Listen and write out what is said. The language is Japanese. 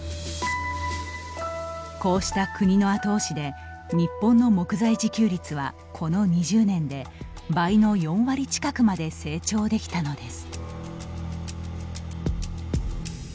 こうした国の後押しで日本の木材自給率はこの２０年で倍の４割近くまで成長できたのです。